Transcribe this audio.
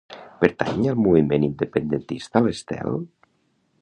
Pertany al moviment independentista l'Estel?